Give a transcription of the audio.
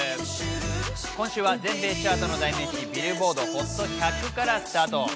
今週は全米チャートの代名詞、ビルボードＨＯＴ１００からスタート。